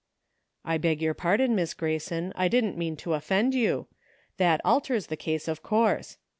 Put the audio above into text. " I beg your pardon. Miss Grayson, I didn't mean to offend you. That alters the case of course.